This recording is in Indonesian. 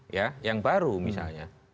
ya yang baru misalnya